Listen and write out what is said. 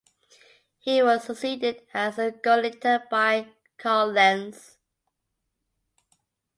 He was succeeded as "Gauleiter" by Karl Lenz.